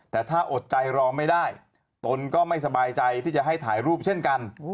แต่ถ้าอดใจรอไม่ได้ตนก็ไม่สบายใจที่จะให้ถ่ายรูปเช่นกัน